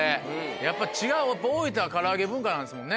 やっぱ違う大分は唐揚げ文化なんですもんね。